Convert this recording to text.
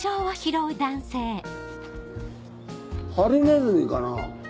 ハリネズミかな？